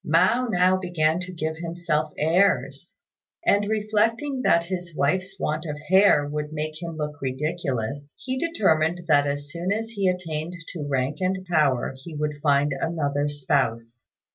Mao now began to give himself airs; and, reflecting that his wife's want of hair would make him look ridiculous, he determined that as soon as he attained to rank and power he would find another spouse.